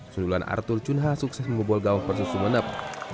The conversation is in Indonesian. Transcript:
sudulan artul cunha sukses memobol gaung persu sumenep